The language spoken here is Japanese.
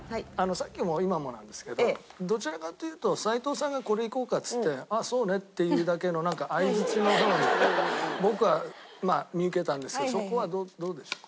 さっきも今もなんですけどどちらかというと齊藤さんが「これいこうか」っつって「ああそうね」って言うだけのなんか相づちのように僕は見受けたんですけどそこはどうでしょうか？